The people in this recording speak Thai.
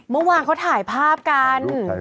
เมื่อวานเขาถ่ายภาพกัน